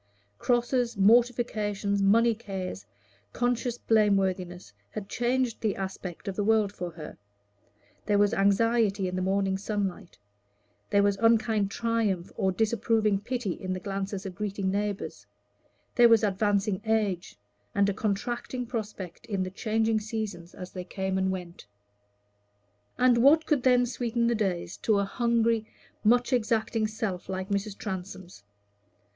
Crosses, mortifications, money cares, conscious blame worthiness, had changed the aspect of the world for her; there was anxiety in the morning sunlight; there was unkind triumph or disapproving pity in the glances of greeting neighbors; there was advancing age, and a contracting prospect in the changing seasons as they came and went. And what could then sweeten the days to a hungry, much exacting self like Mrs. Transome's?